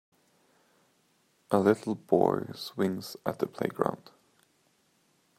A little boy swings at the playground.